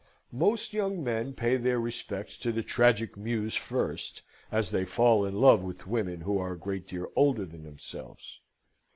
Most young men pay their respects to the Tragic Muse first, as they fall in love with women who are a great deal older than themselves.